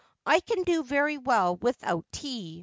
' I can do very well without tea.